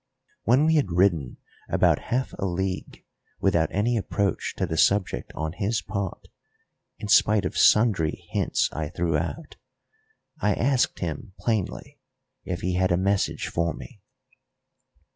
When we had ridden about half a league without any approach to the subject on his part, in spite of sundry hints I threw out, I asked him plainly if he had a message for me.